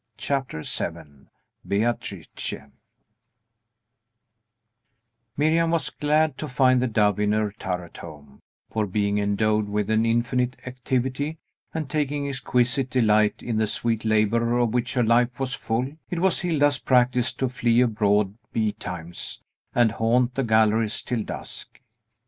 CHAPTER VII BEATRICE Miriam was glad to find the Dove in her turret home; for being endowed with an infinite activity, and taking exquisite delight in the sweet labor of which her life was full, it was Hilda's practice to flee abroad betimes, and haunt the galleries till dusk.